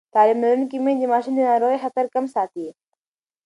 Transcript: تعلیم لرونکې میندې د ماشومانو د ناروغۍ خطر کم ساتي.